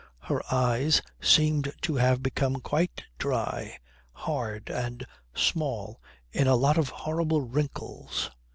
Her eyes seemed to have become quite dry, hard and small in a lot of horrible wrinkles.